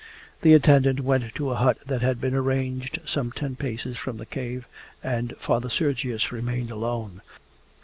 The attendant went to a hut that had been arranged some ten paces from the cave, and Father Sergius remained alone.